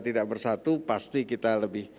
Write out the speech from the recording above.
tidak bersatu pasti kita lebih